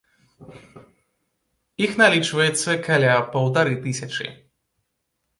Іх налічваецца каля паўтары тысячы.